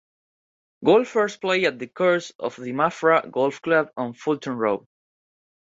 Golfers play at the course of the Maffra Golf Club on Fulton Road.